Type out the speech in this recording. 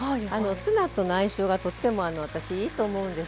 ツナとの相性がとっても私いいと思うんですよね。